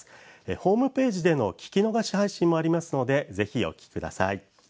ホームページでの聞き逃し配信もありますのでぜひお聞きください。